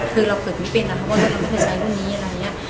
คือเราฝึกไม่เป็นนะเพราะว่าเราไม่เคยใช้พรุ่งนี้อะไรอย่างนี้